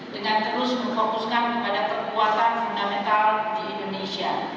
dengan terus memfokuskan kepada kekuatan fundamental di indonesia